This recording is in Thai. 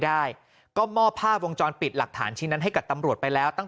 ได้ก็มอบภาพวงจรปิดหลักฐานชิ้นนั้นให้กับตำรวจไปแล้วตั้ง